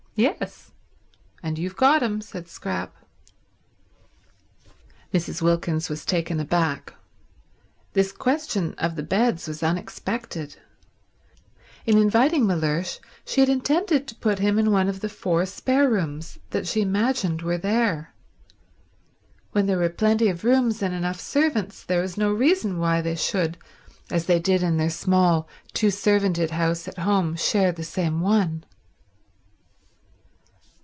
"Yes—and you've got him," said Scrap. Mrs. Wilkins was taken aback. This question of the beds was unexpected. In inviting Mellersh she had intended to put him in one of the four spare rooms that she imagined were there. When there were plenty of rooms and enough servants there was no reason why they should, as they did in their small, two servanted house at home, share the same one.